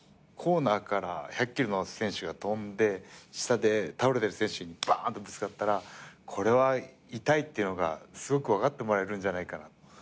コーナーから１００ｋｇの選手が飛んで下で倒れてる選手にバーンとぶつかったらこれは痛いっていうのがすごく分かってもらえるんじゃないかな。